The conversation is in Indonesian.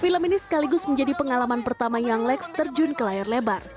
film ini sekaligus menjadi pengalaman pertama yang lex terjun ke layar lebar